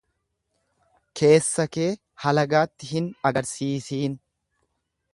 Keessa kee halagaatti hin agarsiisiin.